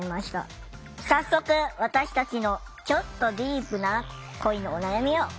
早速私たちのちょっとディープな恋のお悩みをご覧下さい。